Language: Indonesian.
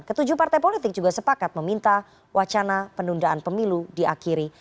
ketujuh partai politik juga sepakat meminta wacana penundaan pemilu diakhiri